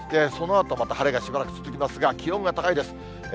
そのあと、また晴れがしばらく続きますが、気温が高いです。